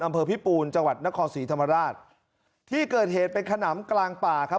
อำเภอพี่ปูนจังหวัดนครศรีธรรมดาต์ที่เกิดเหตุเป็นขนามกลางป่าครับ